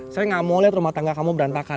saya nggak mau lihat rumah tangga kamu berantakan